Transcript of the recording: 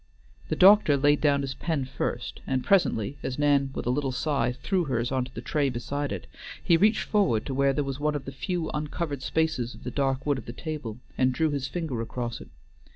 The doctor laid down his pen first, and presently, as Nan with a little sigh threw hers into the tray beside it, he reached forward to where there was one of the few uncovered spaces of the dark wood of the table and drew his finger across it.